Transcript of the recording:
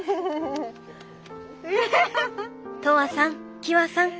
とわさんきわさん